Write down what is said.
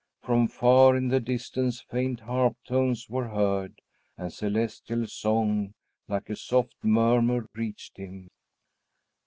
From far in the distance faint harp tones were heard, and celestial song, like a soft murmur, reached him.